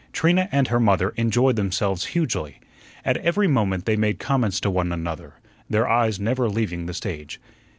Trina and her mother enjoyed themselves hugely. At every moment they made comments to one another, their eyes never leaving the stage.